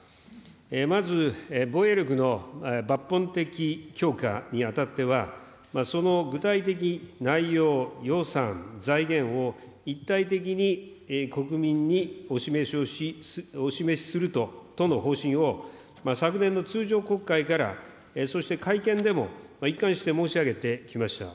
まず防衛力の抜本的強化にあたっては、その具体的内容、予算、財源を一体的に国民にお示しをし、お示しするとの方針を、昨年の通常国会からそして会見でも一貫して申し上げてきました。